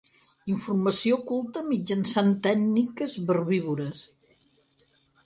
Informació oculta mitjançant tècniques verbívores.